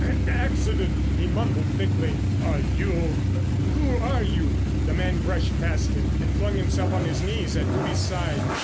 "An accident!" he mumbled thickly. "Are you—who are you?" The man brushed past him and flung himself on his knees at Ruby's side.